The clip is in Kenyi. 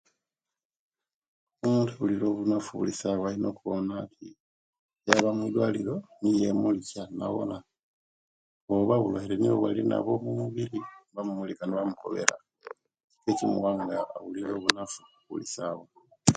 Omuntu abulira obunafu buli sawa alina okwaba omwidwaliro ne yemilisya nabona oba bulwaire niwo bwalinabo omumubiri ne bamumulika nebamukobera ekimuwa nga abulira owunafu buli sawa